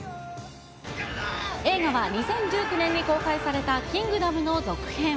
映画は２０１９年に公開されたキングダムの続編。